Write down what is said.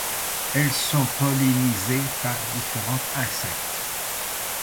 Elles sont pollinisées par différents insectes.